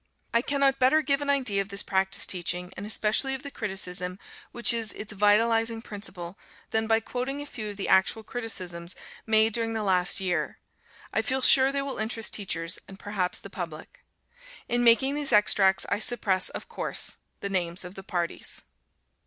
I cannot better give an idea of this practice teaching, and especially of the criticism which is its vitalizing principle, than by quoting a few of the actual criticisms made during the last year. I feel sure they will interest teachers and perhaps the public. In making these extracts, I suppress, of course, the names of the parties.